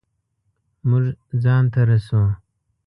مونږ ځان ته رسو